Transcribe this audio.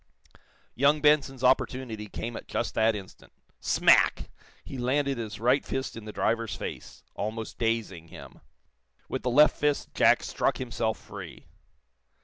Young Benson's opportunity came at just that instant. Smack! He landed his right fist in the driver's face, almost dazing him. With the left fist Jack struck himself free.